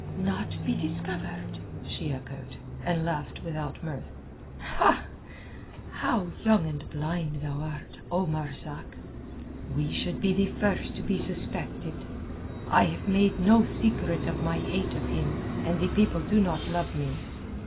"Not be discovered?" she echoed, and laughed without mirth. "How young and blind thou art, O Marzak! We should be the first to be suspected. I have made no secret of my hate of him, and the people do not love me.